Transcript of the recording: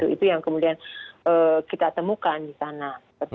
itu yang kemudian kita temukan di sana